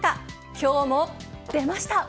今日も出ました。